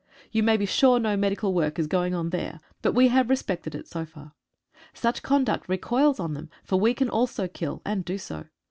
You may be sure no medical work is going on there, but we have respected it so far. Such conduct recoils on them, for we can also kill, and do so.